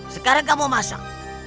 sekarang kamu masak